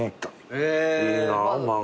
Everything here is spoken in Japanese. いいな孫。